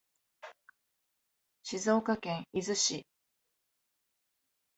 静岡県伊豆市